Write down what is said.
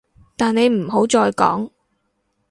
但你唔好再講